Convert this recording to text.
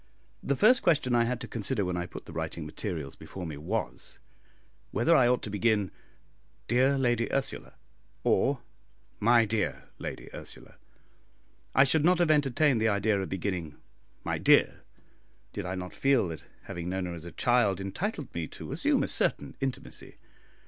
The first question I had to consider when I put the writing materials before me was, whether I ought to begin, "Dear Lady Ursula," or, "My dear Lady Ursula." I should not have entertained the idea of beginning "My dear," did I not feel that having known her as a child entitled me to assume a certain intimacy.